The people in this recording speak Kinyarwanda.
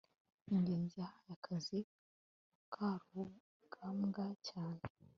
ngenzi yahaye akazi mukarugambwa cyane